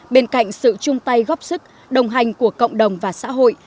bên cạnh sự chung tay góp sức đồng hành của cộng đồng và xã hội